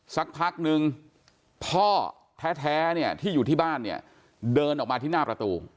สักพักนึงพ่อแท้เนี่ยที่อยู่ที่บ้านเนี่ยเดินออกมาที่หน้าประตู